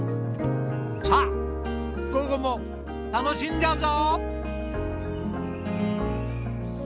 さあ午後も楽しんじゃうぞ！